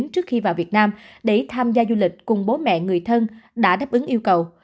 trước khi vào việt nam để tham gia du lịch cùng bố mẹ người thân đã đáp ứng yêu cầu